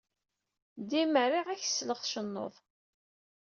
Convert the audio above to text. Dima riɣ ad ak-sleɣ tcennud.